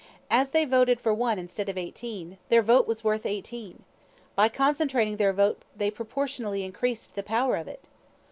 As they voted for one instead of eighteen, their vote was worth eighteen. By concentrating their vote they proportionally increased the power of it."